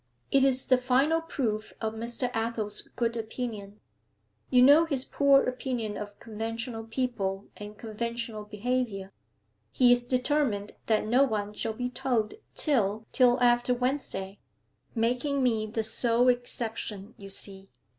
'It is the final proof of Mr. Athel's good opinion. You know his poor opinion of conventional people and conventional behaviour. He is determined that no one shall be told till till after Wednesday making me the sole exception, you see.